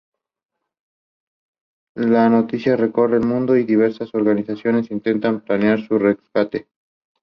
The song is included in several song books.